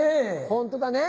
本当だね。